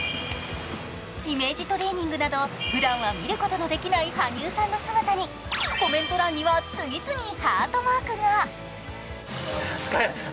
イメージトレーニングなどふだんは見ることのできない羽生さんの姿にコメント欄には次々ハートマークが。